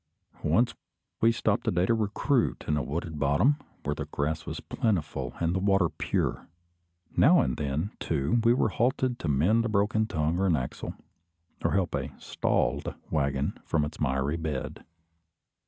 Once we stopped a day to recruit in a wooded bottom, where the grass was plentiful and the water pure. Now and then, too, we were halted to mend a broken tongue or an axle, or help a "stalled" waggon from its miry bed.